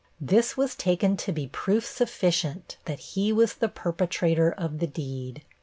This was taken to be proof sufficient that he was the perpetrator of the deed.